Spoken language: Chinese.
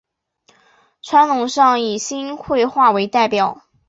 传统上以新会话为代表。